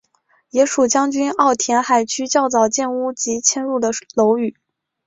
也属将军澳填海区较早建屋及迁入的楼宇。